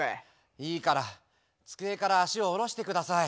いいから机から脚を下ろして下さい。